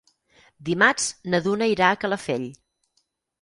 Dimarts na Duna irà a Calafell.